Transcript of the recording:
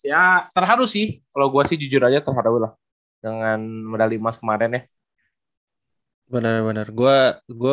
ya terharu sih kalau gua sih jujur aja terhadap dengan medali emas kemarin ya bener bener gua gua